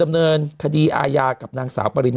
มันติดคุกออกไปออกมาได้สองเดือน